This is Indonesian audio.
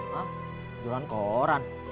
hah jualan koran